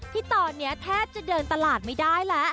ที่ตอนนี้แทบจะเดินตลาดไม่ได้แล้ว